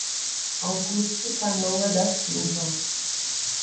Augusto Canoa da Silva